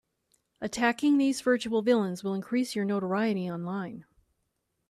Attacking these virtual villains will increase your notoriety online.